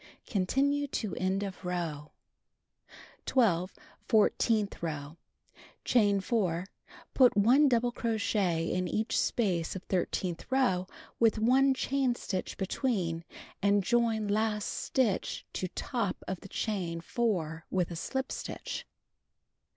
Continue to end of row. 12. Fourteenth row: Chain 4. Put 1 double crochet in each space of thir teenth row with 1 chain stitch between and join last stitch to top of the chain 4 with a shp stitch.